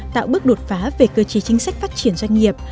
tạo bước đột phá về cơ chế chính sách phát triển doanh nghiệp